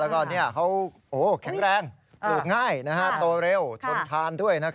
แข็งแรงปลูกง่ายโตเร็วทนทานด้วย